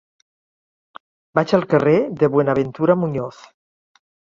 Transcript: Vaig al carrer de Buenaventura Muñoz.